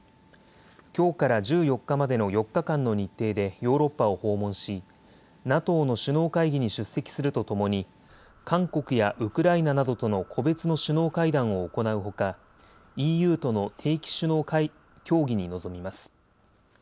きょうから１４日までの４日間の日程でヨーロッパを訪問しＮＡＴＯの首脳会議に出席するとともに韓国やウクライナなどとの個別の首脳会談を行うほかＥＵとの定期首脳協議に臨みます。